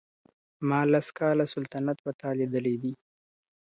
ما لس كاله سلطنت په تا ليدلى.